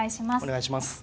お願いします。